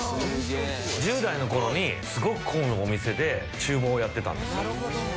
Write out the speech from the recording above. １０代の頃にすごく混むお店で厨房をやってたんですよ。